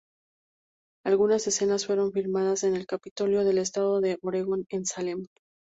Algunas escenas fueron filmadas en el Capitolio del estado de Oregón en Salem.